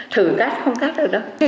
thử cắt không cắt được đâu